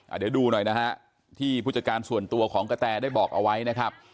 เดี๋ยวดูหน่อยนะฮะที่ผู้จัดการส่วนตัวของกระแตได้บอกเอาไว้นะครับ